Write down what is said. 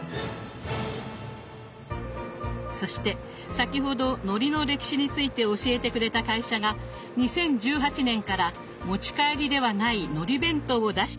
そして先ほどのりの歴史について教えてくれた会社が２０１８年から持ち帰りではないのり弁当を出しているそうです。